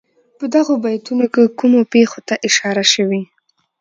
په دغو بیتونو کې کومو پېښو ته اشاره شوې.